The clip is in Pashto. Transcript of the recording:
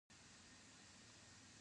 آیا نادره ځمکنۍ عناصر قیمت لري؟